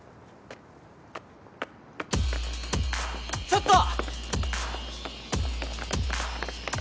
ちょっと！